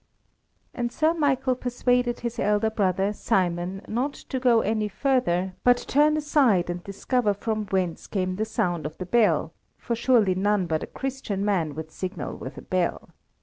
And Sir Michael persuaded his elder brother, Simon, not to go any further, but turn aside and discover from whence came the sound of the bell, for surely none but a Christian man would signal with a bell.